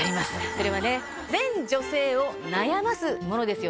それは全女性を悩ますものですよね。